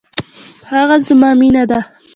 هغه زما مینه ده